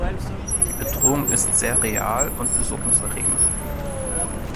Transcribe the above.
Die Bedrohung ist sehr real und besorgniserregend.